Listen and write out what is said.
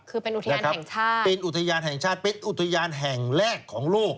คือเป็นอุทยานแห่งชาติเป็นอุทยานแห่งแรกของโลก